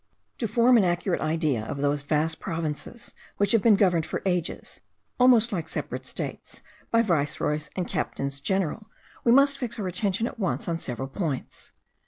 To form an accurate idea of those vast provinces which have been governed for ages, almost like separate states, by viceroys and captains general, we must fix our attention at once on several points.